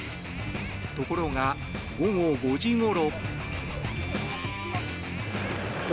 ところが午後５時ごろ。